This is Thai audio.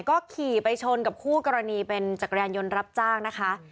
ก็ขี่ไปชนกับคู่กรณีเป็นจักรยานยนต์รับจ้างนะคะ